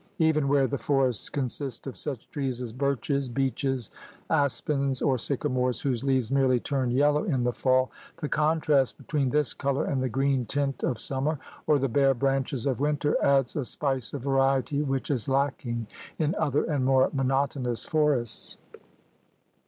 Even where the forests consist of such trees as birches, beeches, aspens, or sycamores, whose leaves merely turn yellow in the fall, the contrast between this color and the green tint of summer or the bare branches of winter adds a spice of variety which is lacking in other and more monotonous forests.